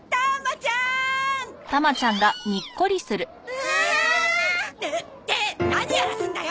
うわあ！えっ！？って何やらすんだよ！